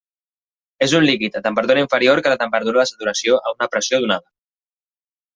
És un líquid a temperatura inferior que la temperatura de saturació a una pressió donada.